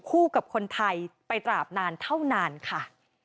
กับคนไทยไปตราบนานเท่านานค่ะ